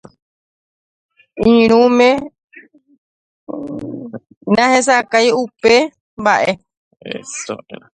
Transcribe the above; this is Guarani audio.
Iñirũme nahesakãi upe mba'e.